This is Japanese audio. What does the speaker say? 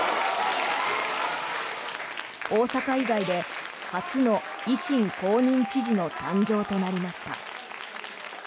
大阪以外で初の維新公認知事の誕生となりました。